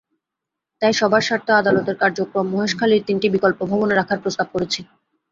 তাই সবার স্বার্থে আদালতের কার্যক্রম মহেশখালীর তিনটি বিকল্প ভবনে রাখার প্রস্তাব করেছি।